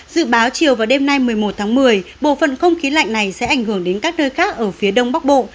dự báo chiều và đêm nay một mươi một tháng một mươi bộ phận không khí lạnh này sẽ ảnh hưởng đến các nơi khác ở phía đông bắc bộ